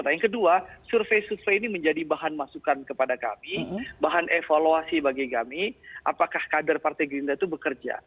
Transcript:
nah yang kedua survei survei ini menjadi bahan masukan kepada kami bahan evaluasi bagi kami apakah kader partai gerindra itu bekerja